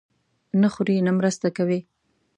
نه خوري، نه مرسته کوي.